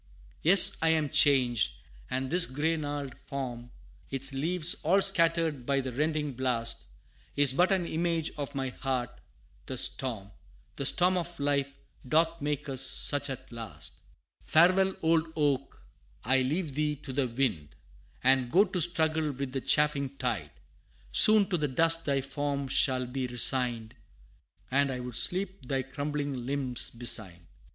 Yes I am changed and this gray gnarled form, Its leaves all scattered by the rending blast, Is but an image of my heart; the storm The storm of life, doth make us such at last! Farewell, old oak! I leave thee to the wind, And go to struggle with the chafing tide Soon to the dust thy form shall be resigned, And I would sleep thy crumbling limbs beside.